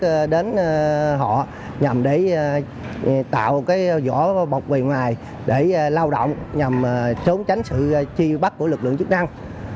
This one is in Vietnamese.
đi đến họ nhằm để tạo cái vỏ bọc về ngoài để lao động nhằm trốn tránh sự chi bắt của lực lượng chức năng